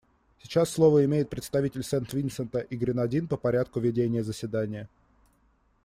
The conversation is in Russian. Сейчас слово имеет представитель Сент-Винсента и Гренадин по порядку ведения заседания.